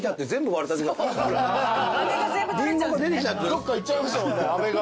どっかいっちゃいましたもんねあめが。